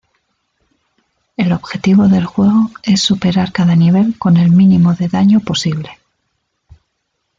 El objetivo del juego es superar cada nivel con el mínimo de daño posible.